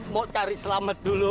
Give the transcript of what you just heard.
mau cari selamat dulu